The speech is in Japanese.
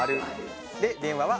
で電話は×。